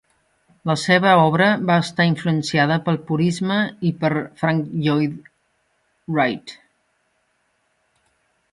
La seva obra va estar influenciada pel purisme i per Frank Lloyd Wright.